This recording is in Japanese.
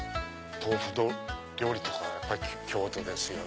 豆腐料理とか京都ですよね。